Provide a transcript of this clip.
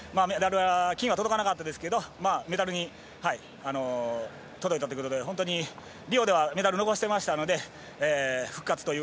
金には届かなかったですけどメダルに届いたということで本当にリオではメダル逃してましたので復活という。